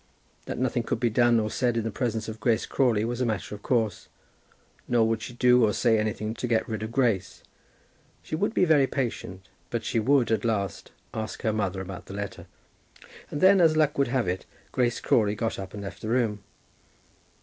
That nothing could be done or said in the presence of Grace Crawley was a matter of course, nor would she do or say anything to get rid of Grace. She would be very patient; but she would, at last, ask her mother about the letter. And then, as luck would have it, Grace Crawley got up and left the room.